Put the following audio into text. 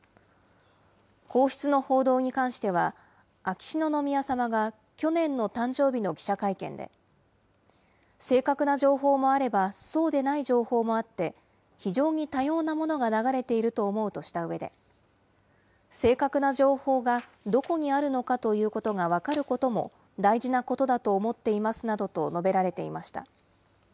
皇室の報道に関しては、秋篠宮さまが去年の誕生日の記者会見で、正確な情報もあればそうでない情報もあって、非常に多様なものが流れていると思うとしたうえで、正確な情報がどこにあるのかということが分かることも大事なことだと思っていますなどと述べられていました。